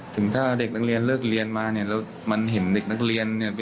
ถึงถ้าเด็กนักเรียนเลิกเรียนมาเนี่ยแล้วมันเห็นเด็กนักเรียนเนี่ย